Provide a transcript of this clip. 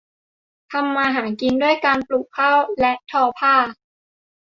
ทำมาหากินด้วยการปลูกข้าวและทอผ้า